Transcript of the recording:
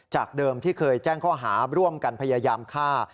จากเดิมที่เคยแจ้งข้อหาร่วมกันพยายามฆ่า